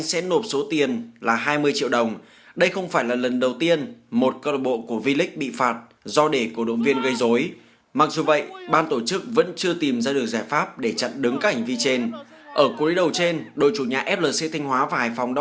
xin chào và hẹn gặp lại trong các video tiếp theo